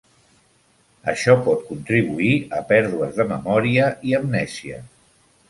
Això pot contribuir a pèrdues de memòria i amnèsia.